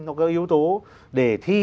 nó có yếu tố để thi